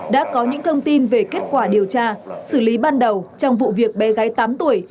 đã có những thông tin về kết quả điều tra xử lý ban đầu trong vụ việc bé gái tám tuổi